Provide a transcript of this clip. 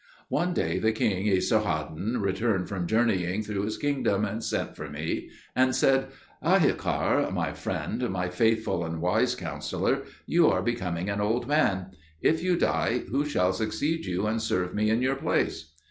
One day the king Esarhaddon returned from journeying through his kingdom, and sent for me and said, "Ahikar, my friend, my faithful and wise counsellor, you are becoming an old man. If you die, who shall succeed you and serve me in your place?"